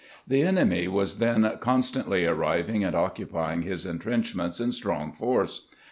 The enemy was then constantly arriving and occupying his intrenchments in strong force.